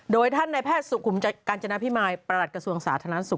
โดยท่านในแพทย์สุขุมกาญจนาพิมายประหลัดกระทรวงสาธารณสุข